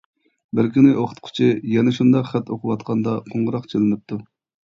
بىر كۈنى ئوقۇتقۇچى يەنە شۇنداق خەت ئوقۇۋاتقاندا قوڭغۇراق چېلىنىپتۇ.